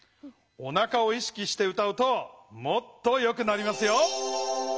おなかを意識して歌うともっとよくなりますよ。